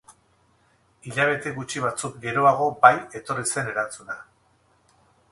Hilabete gutxi batzuk geroago bai, etorri zen erantzuna.